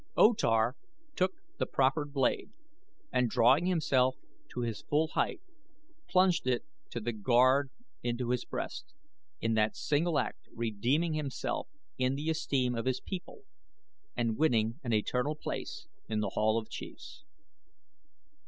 O Tar took the proffered blade and drawing himself to his full height plunged it to the guard into his breast, in that single act redeeming himself in the esteem of his people and winning an eternal place in The Hall of Chiefs.